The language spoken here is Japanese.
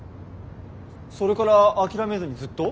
それから諦めずにずっと？